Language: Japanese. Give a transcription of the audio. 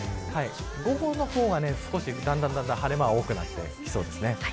午後の方は少しだんだん晴れ間は多くなってきそうです。